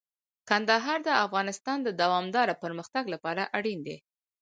کندهار د افغانستان د دوامداره پرمختګ لپاره اړین دي.